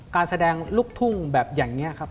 การแสดงลูกทุ่งแบบอย่างนี้ครับ